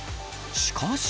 しかし。